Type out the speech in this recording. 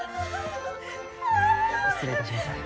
失礼いたします。